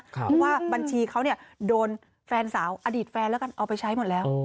เพราะว่าบัญชีเขาโดนแฟนสาวอดีตแฟนแล้วกันเอาไปใช้หมดแล้ว